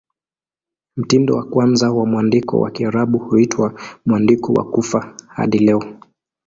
Mtindo wa kwanza wa mwandiko wa Kiarabu huitwa "Mwandiko wa Kufa" hadi leo.